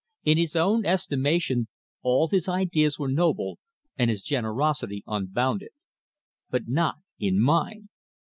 In his own estimation all his ideas were noble and his generosity unbounded; but not in mine.